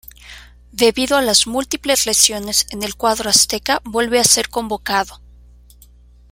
Debido a las múltiples lesiones en el cuadro Azteca vuelve a ser convocado.